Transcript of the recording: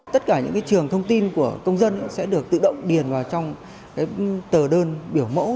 tất cả những trường thông tin của công dân sẽ được tự động điền vào trong tờ đơn biểu mẫu